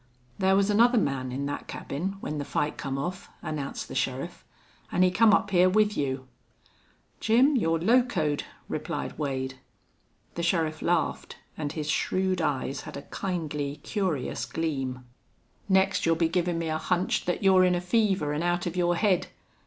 "Thar was another man in thet cabin when the fight come off," announced the sheriff. "An' he come up hyar with you." "Jim, you're locoed," replied Wade. The sheriff laughed, and his shrewd eyes had a kindly, curious gleam. "Next you'll be givin' me a hunch thet you're in a fever an' out of your head."